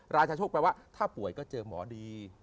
ราชาโชคแปลว่าถ้าป่วยก็เจอหมอดี